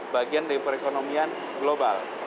bagian dari perekonomian global